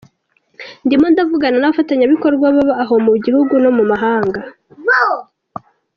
Ndimo ndavugana n’abafatanyabikorwa baba abo mu gihugu no mu mahanga.